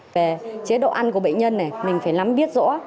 về chế độ ăn của bệnh nhân này mình phải lắm biết rõ